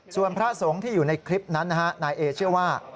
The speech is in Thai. ส่วนพระสงฆ์ที่อยู่ในคลิปนั้นนะฮะนายเอเชื่อว่า